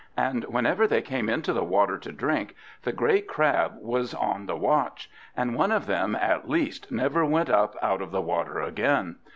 And whenever they came into the water to drink, the great Crab was on the watch; and one of them at least never went up out of the water again.